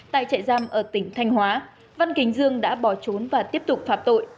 tại trại giam ở tỉnh thanh hóa văn kính dương đã bỏ trốn và tiếp tục phạm tội